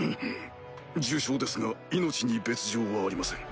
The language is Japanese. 重傷ですが命に別条はありません。